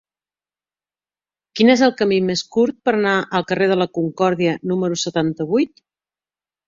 Quin és el camí més curt per anar al carrer de la Concòrdia número setanta-vuit?